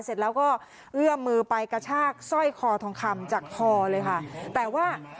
เสร็จแล้วก็เอื้อมมือไปกระชากสร้อยคอทองคำจากคอเลยค่ะแต่ว่า